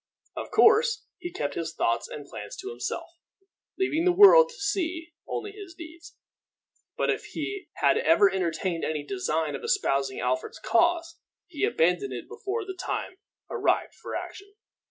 Of course, he kept his thoughts and plans to himself, leaving the world to see only his deeds. But if he had ever entertained any design of espousing Alfred's cause, he abandoned it before the time arrived for action.